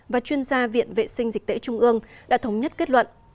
và chuyên gia viện vệ sinh dịch tễ trung ương đã thống nhất kết luận